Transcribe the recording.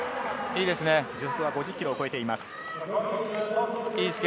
５０キロを超えています。